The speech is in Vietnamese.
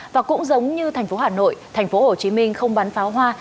và cũng giống như tp hà nội tp hồ chí minh không bán pháo hoa